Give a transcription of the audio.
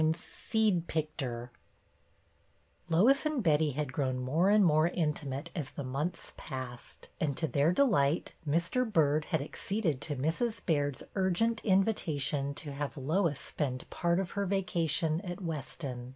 's " SEED PTCTER " IS and Betty had grown more and more intimate as the months passed, and, to their delight, Mr. Byrd had acceded to Mrs. Baird's urgent invitation to have Lois spend part of her vacation at Weston.